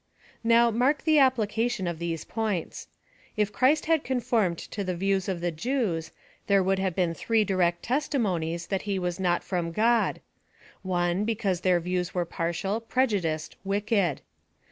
Now, mark the application of these points. If Christ had conformed to the views of the Jews, there would have been three direct testimonies that he was not from God. (1.) Because their views were partial, prejudiced, wicked.